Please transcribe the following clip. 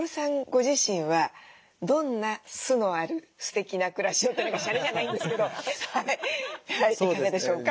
ご自身はどんな酢のあるすてきな暮らしをシャレじゃないんですけどいかがでしょうか？